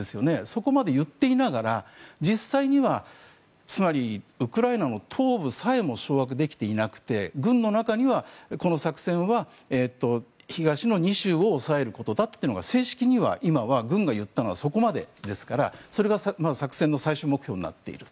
そこまで言っていながら実際にはつまりウクライナの東部さえも掌握できていなくて、軍の中にはこの作戦は東の２州を押さえることだというのが正式には今は軍が言ったのはそこまでですからそれが作戦の最終目標になっている。